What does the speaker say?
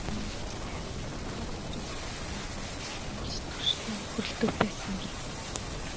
Тэр Венад байхдаа Австрийн хэт барууны үзэлтэй улстөрчтэй нөхөрлөдөг байсан гэнэ.